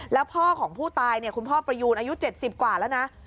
แล้วพ่อของผู้ตายคุณพ่อประยูนอายุ๗๐กว่าแล้วนะ